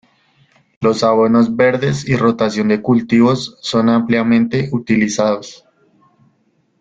Los abonos verdes y rotación de cultivos son ampliamente utilizados.